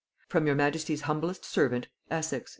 "From your majesty's humblest servant, "ESSEX."